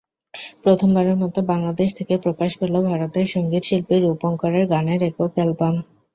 প্রথমবারের মতো বাংলাদেশ থেকে প্রকাশ পেল ভারতের সংগীতশিল্পী রূপঙ্করের গানের একক অ্যালবাম।